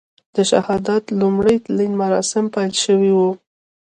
د شهادت لومړي تلین مراسیم پیل شوي و.